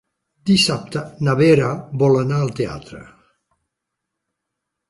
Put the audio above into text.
Dissabte na Vera vol anar al teatre.